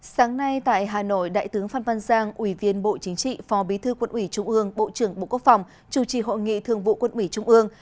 sáng nay tại hà nội đại tướng phan văn giang ủy viên bộ chính trị phó bí thư quân ủy trung ương bộ trưởng bộ quốc phòng chủ trì hội nghị thường vụ quân ủy trung ương